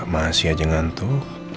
masih aja ngantuk